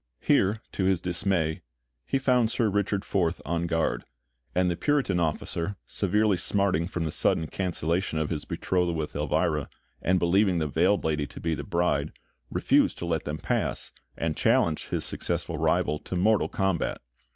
Here, to his dismay, he found Sir Richard Forth on guard; and the Puritan officer, severely smarting from the sudden cancellation of his betrothal with Elvira, and believing the veiled lady to be the bride, refused to let them pass, and challenged his successful rival to mortal combat.